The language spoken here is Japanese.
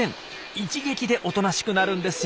一撃でおとなしくなるんですよ。